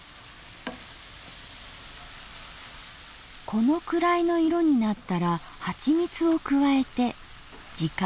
このくらいの色になったらはちみつを加えて時間短縮。